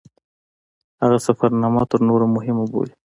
هغه سفرنامه تر نورو مهمه بولي.